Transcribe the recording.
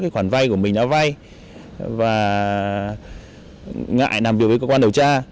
khoản vay của mình đã vay và ngại làm việc với cơ quan điều tra